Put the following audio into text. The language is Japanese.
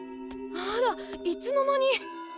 あらいつの間に！？